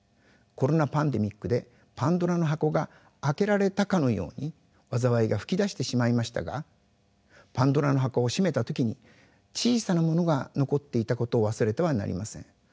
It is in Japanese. コロナパンデミックでパンドラの箱が開けられたかのように災いが噴き出してしまいましたがパンドラの箱を閉めた時に小さなものが残っていたことを忘れてはなりません。